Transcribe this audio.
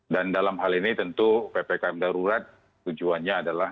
dan dalam hal ini tentu ppkm darurat tujuannya adalah